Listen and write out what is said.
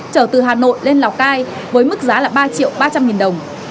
chở từ hà nội lên lào cai với mức giá ba triệu ba trăm linh nghìn đồng